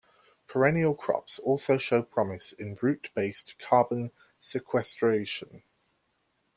Perennial crops also show promise in root-based carbon sequestration.